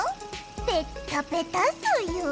ペッタペタソヨ。